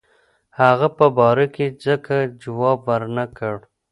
هغه په باره کې ځکه جواب ورنه کړ.